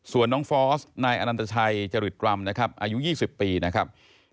ส่วนน้องฟอสนายอนันตชัยจริตรำนะครับอายุ๒๐ปีนะครับ